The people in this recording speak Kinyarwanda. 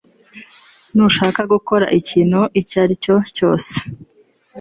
Ntushaka gukora ikintu icyo ari cyo cyose